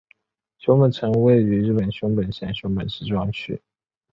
熊本城位于日本熊本县熊本市中央区。